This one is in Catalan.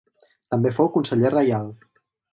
També fou conseller reial.